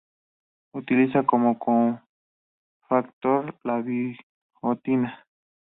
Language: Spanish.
Utiliza como cofactor la biotina.